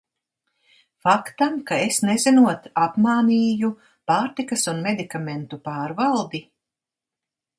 Faktam, ka es nezinot apmānīju Pārtikas un medikamentu pārvaldi?